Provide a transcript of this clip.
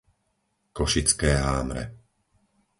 Košické Hámre